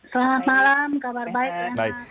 selamat malam kabar baik